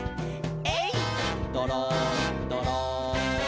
「えいっどろんどろん」